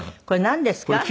これなんですか？